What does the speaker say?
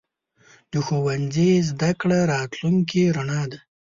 د ښوونځي زده کړه راتلونکې رڼا ده.